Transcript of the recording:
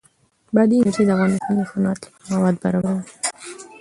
بادي انرژي د افغانستان د صنعت لپاره مواد برابروي.